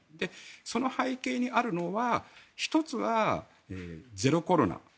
その背景にあるのは１つはゼロコロナ。